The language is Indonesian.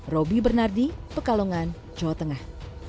roby bernardi pekalongan jawa tengah